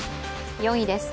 ４位です。